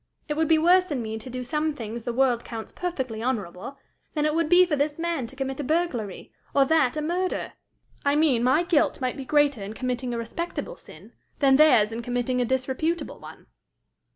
It would be worse in me to do some things the world counts perfectly honorable, than it would be for this man to commit a burglary, or that a murder. I mean my guilt might be greater in committing a respectable sin, than theirs in committing a disreputable one."